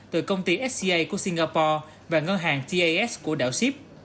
từ công ty sca của singapore và ngân hàng tas của đảo sip